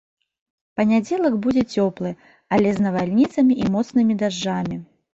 Панядзелак будзе цёплы, але з навальніцамі і моцнымі дажджамі.